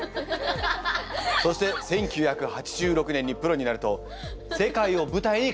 そして１９８６年にプロになると世界を舞台に活躍。